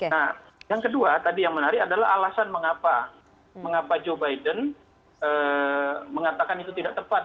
nah yang kedua tadi yang menarik adalah alasan mengapa joe biden mengatakan itu tidak tepat